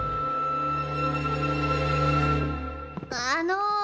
あの。